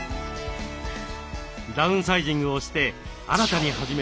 ダウンサイジングをして新たに始めたランニング。